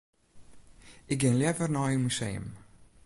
Ik gean leaver nei in museum.